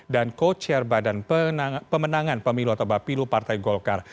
dan co chair badan pemenangan pemilu atau bapilu partai golkar